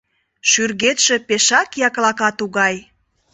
Шӱргетше пешак яклака тугай.